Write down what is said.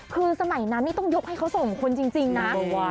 คือสมัยนั้นนี่ต้องยกให้เขาสองคนจริงนะ